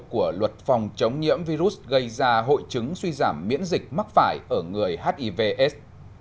của luật phòng chống nhiễm virus gây ra hội chứng suy giảm miễn dịch mắc phải ở người hivs